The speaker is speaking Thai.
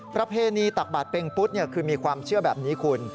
ประเพณีตักบาดเป็งปุ๊ดคือมีความเชื่อแบบนี้คุณ